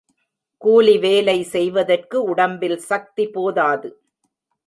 கூலிவேலை செய்வதற்கு உடம்பில் சக்தி போதாது.